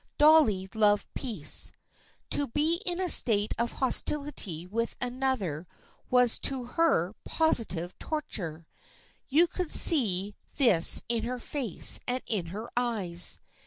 Dolly loved peace. To be in a state of hostility with another was to her positive torture. You could see this in her face and in her eyes.